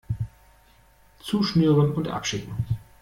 Zuschnüren und abschicken!